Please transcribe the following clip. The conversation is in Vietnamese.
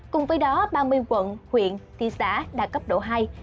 cùng với đó ba mươi quận huyện thị xã đạt cấp độ hai